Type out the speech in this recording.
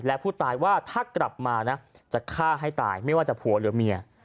และผู้ตายว่าถ้ากลับมานะจะฆ่าให้ตายไม่ว่าจะผัวหรือเมีย